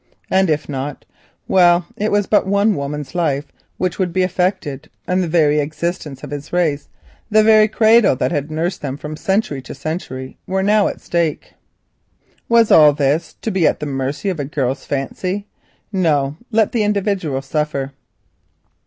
And if not, well it was but one woman's life which would be affected, and the very existence of his race and the very cradle that had nursed them from century to century were now at stake. Was all this to be at the mercy of a girl's whim? No! let the individual suffer.